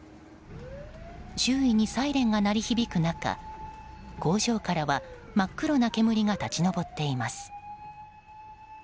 周囲にサイレンが鳴り響く中工場からは真っ黒な煙が立ち上っています。